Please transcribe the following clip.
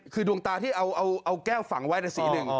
คือดวงตาที่เอาแก้วฝังไว้ในสีหนึ่ง